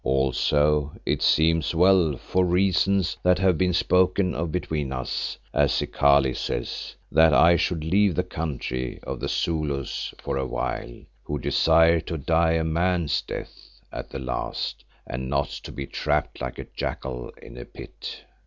Also it seems well for reasons that have been spoken of between us, as Zikali says, that I should leave the country of the Zulus for a while, who desire to die a man's death at the last and not to be trapped like a jackal in a pit.